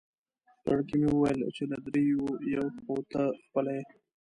په زړه کې مې وویل چې له درېیو یو خو ته خپله یې.